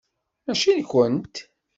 Mačči nkent.